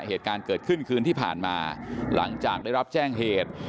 เหตุการณ์เกิดขึ้นคืนที่ผ่านมาหลังจากได้รับแจ้งเหตุ